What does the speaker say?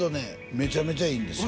めちゃめちゃいいんですよ